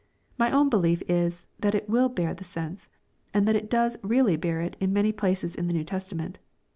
My own belief is, that it will bear the sense, and that it does really bear it in many places of the New Testament.